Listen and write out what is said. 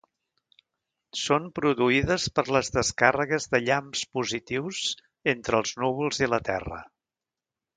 Són produïdes per les descàrregues de llamps positius entre els núvols i la terra.